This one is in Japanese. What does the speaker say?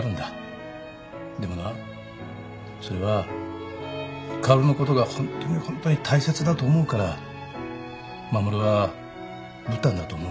でもなそれは薫のことがホントにホントに大切だと思うから護はぶったんだと思うんだ。